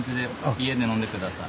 家で飲んで下さい。